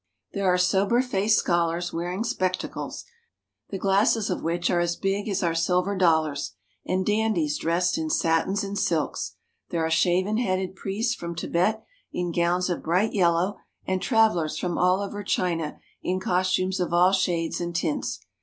There are sober faced scholars wearing spectacles, the glasses of which are as big as our silver dollars, and dandies dressed in satins and silks. There are shaven headed priests from Tibet in gowns of bright yellow, and travelers from all over China in costumes of all shades and tints.